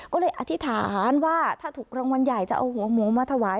ก็เลยอธิษฐานว่าถ้าถูกรางวัลใหญ่จะเอาหัวหมูมาถวาย